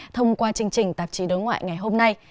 thông qua chương trình tạp chí đối ngoại ngày hôm nay